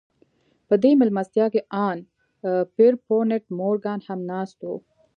په دې مېلمستیا کې ان پیرپونټ مورګان هم ناست و